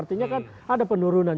artinya kan ada penurunan